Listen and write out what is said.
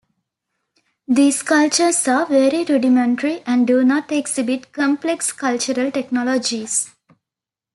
These cultures are very rudimentary, and do not exhibit complex cultural technology.